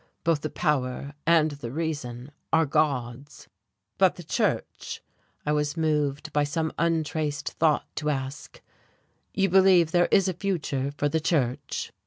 Both the power and the reason are God's." "But the Church," I was moved by some untraced thought to ask, "you believe there is a future for the Church?"